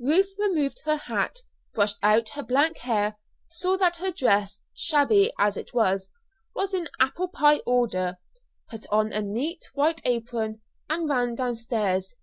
Ruth removed her hat, brushed out her black hair, saw that her dress, shabby as it was, was in apple pie order, put on a neat white apron, and ran downstairs.